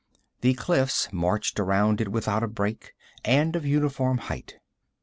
The cliffs marched around it without a break and of uniform height.